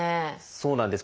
そうなんです。